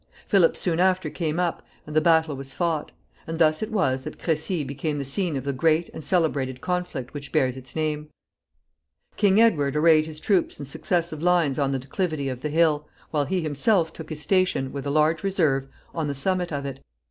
Philip soon after came up, and the battle was fought; and thus it was that Crecy became the scene of the great and celebrated conflict which bears its name. King Edward arrayed his troops in successive lines on the declivity of the hill, while he himself took his station, with a large reserve, on the summit of it.